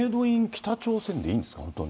北朝鮮でいいんですか。